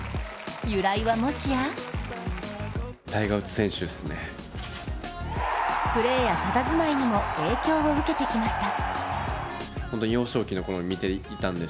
由来はもしやプレーやたたずまいにも影響を受けてきました。